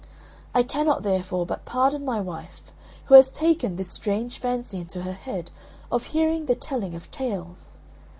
I cannot, therefore, but pardon my wife, who has taken this strange fancy into her head of hearing the telling of tales.